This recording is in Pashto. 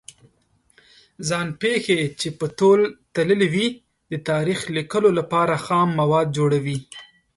ځان پېښې چې په تول تللې وي د تاریخ لیکلو لپاره خام مواد جوړوي.